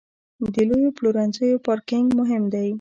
د لویو پلورنځیو پارکینګ مهم دی.